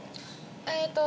えっと